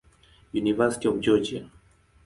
University of Georgia.